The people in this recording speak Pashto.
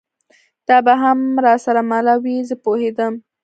دا به هم را سره مله وي، زه پوهېدم.